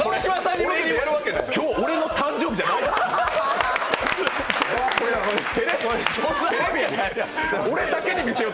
今日、俺の誕生日じゃないのよ。